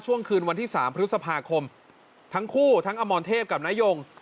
คืนวันที่๓พฤษภาคมทั้งคู่ทั้งอมรเทพกับนายง